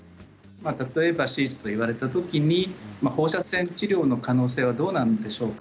例えば手術と言われたときに放射線治療の可能性はどうなんでしょうか？